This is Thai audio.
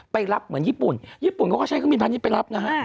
รับเหมือนญี่ปุ่นญี่ปุ่นเขาก็ใช้เครื่องบินพาณิชย์ไปรับนะฮะ